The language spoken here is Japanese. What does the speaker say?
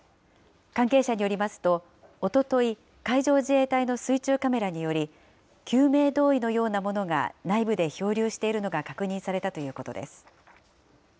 関係者によりますと、おととい、海上自衛隊の水中カメラにより、救命胴衣のようなものが内部で漂流しているのが確認されたということです。